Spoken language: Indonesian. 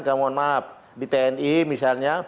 kemohon maaf di tni misalnya